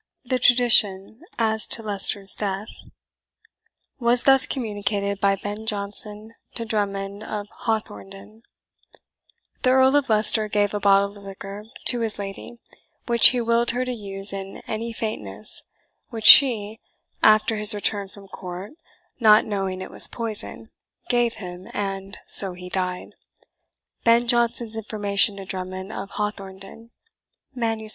The tradition as to Leicester's death was thus communicated by Ben Jonson to Drummond of Hawthornden: "The Earl of Leicester gave a bottle of liquor to his Lady, which he willed her to use in any faintness, which she, after his returne from court, not knowing it was poison, gave him, and so he died." BEN JONSON'S INFORMATION TO DRUMMOND OF HAWTHORNDEN, MS.